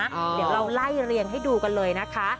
เดี๋ยวเราไล่เรียงให้ดูกันเลยนะคะ